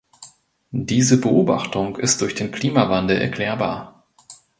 Diese Beobachtung ist durch den Klimawandel erklärbar.